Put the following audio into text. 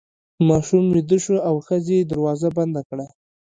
ماشوم ویده شو او ښځې دروازه بنده کړه.